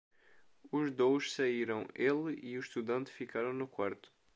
Os dous saíram, ele e o estudante ficaram no quarto.